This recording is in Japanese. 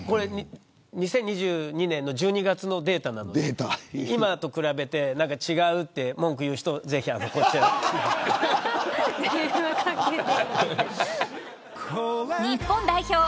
２０２２年の１２月のデータなんですけど今と比べて違うって文句言う人ぜひこちらの方へ。